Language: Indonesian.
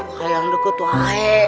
nihiru mah mau ikutin kita terus